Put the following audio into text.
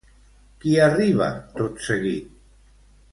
Qui arriba tot seguit?